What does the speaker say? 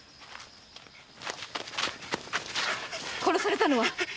殺されたのは？